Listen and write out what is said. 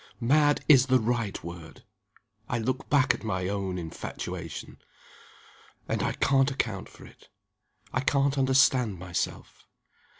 "Mad is the right word! I look back at my own infatuation and I can't account for it; I can't understand myself.